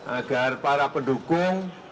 agar para pendukung